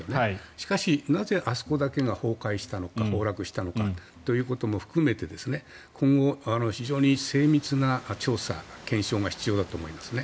しかし、なぜあそこだけが崩壊したのか、崩落したのかということも含めて今後、非常に精密な調査、検証が必要だと思いますね。